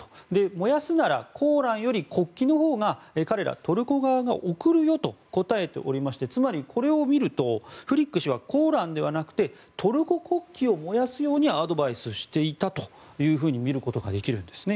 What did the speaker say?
燃やすならコーランより国旗のほうが彼ら、トルコ側が怒るよと答えておりましてつまり、これを見るとフリック氏はコーランではなくてトルコ国旗を燃やすようにアドバイスしていたというふうに見ることができるんですね。